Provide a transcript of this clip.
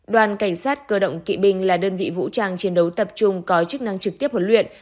đoàn cảnh sát cơ động kỵ binh là đơn vị vũ trang chiến đấu tập trung có chức năng trực tiếp huấn luyện